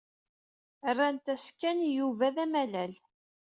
Rnant-as Ken i Yuba d amalal.